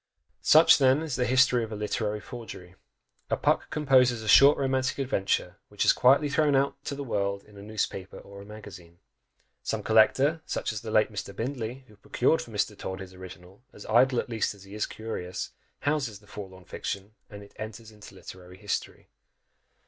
Such, then, is the history of a literary forgery! A Puck composes a short romantic adventure, which is quietly thrown out to the world in a newspaper or a magazine; some collector, such as the late Mr. Bindley, who procured for Mr. Todd his original, as idle at least as he is curious, houses the forlorn fiction and it enters into literary history!